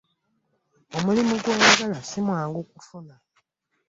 Omulimu gw'oyagala si mwangu kufuna.